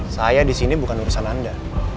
saya disini bukan urusan anda